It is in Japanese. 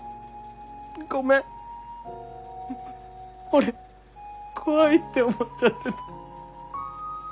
俺怖いって思っちゃってた。